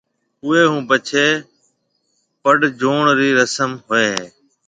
اوئيَ ھون پڇيَ پڙجوڻ رِي رسم ھوئيَ ھيََََ